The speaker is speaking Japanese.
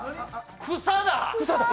草だ！